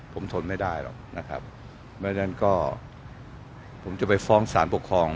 ผมทนไม่ได้หรอกนะครับไม่งั้นก็ผมจะไปฟ้องสารปกครอง